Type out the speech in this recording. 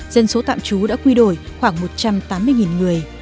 dân số tạm trú đã quy đổi khoảng một trăm tám mươi người